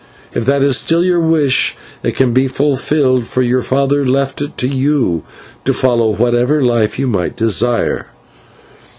If that is still your wish, it can be fulfilled, for your father left it to you to follow whatever life you might desire."